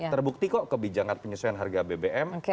terbukti kok kebijakan penyesuaian harga bbm